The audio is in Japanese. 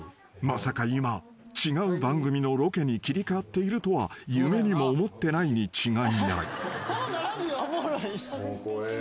まさか今違う番組のロケに切り替わっているとは夢にも思ってないに違いない］